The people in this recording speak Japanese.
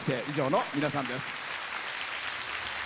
以上の皆さんです。